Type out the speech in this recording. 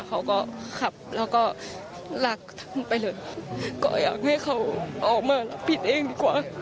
เขาก็ขับแล้วก็รักท่านไปเลยก็อยากให้เขาออกมาผิดเองดีกว่า